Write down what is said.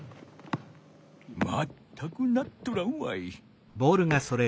まったくなっとらんわい。